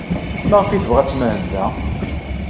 Maɣef ay tebɣa ad tmahel da?